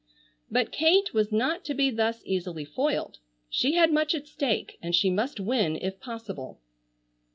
But Kate was not to be thus easily foiled. She had much at stake and she must win if possible.